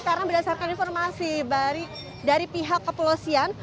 karena berdasarkan informasi dari pihak kepulosian